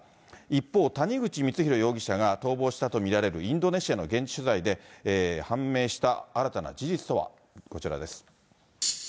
一方、谷口光弘容疑者が逃亡したと見られるインドネシアの現地取材で判明した新たな事実とは、こちらです。